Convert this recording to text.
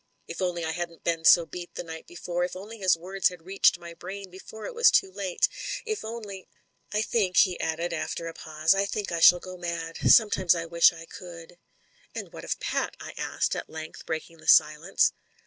If only I hadn't been so beat the night before; if only his words had reached my brain before it was too late. If only ... I think," he added, after a pause, "I think I shall go mad. Sometimes I wish I could." "And what of Pat?" I asked, at length breaking the silence.